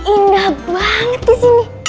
indah banget disini